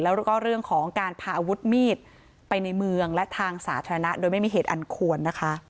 แล้วก็เรื่องของการพาอาวุธมีดไปในเมืองและทางสาธารณะโดยไม่มีเหตุอันควรนะคะ